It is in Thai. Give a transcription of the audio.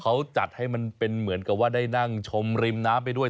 เขาจัดให้มันเป็นเหมือนกับว่าได้นั่งชมริมน้ำไปด้วย